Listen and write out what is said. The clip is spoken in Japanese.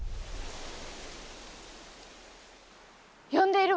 呼んでいるわ！